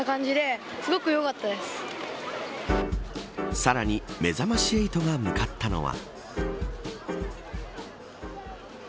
さらにめざまし８が向かったのは。